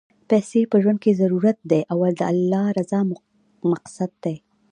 پیسی په ژوند کی ضرورت دی، او د اللهﷻ رضا مقصد دی.